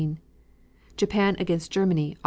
Japan against Germany, Aug.